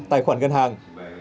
tài khoản ngân hàng